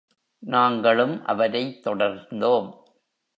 நாங்களும் அவரைத் தொடர்ந்தோம்.